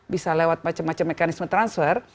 bisa lewat macam macam mekanisme transfer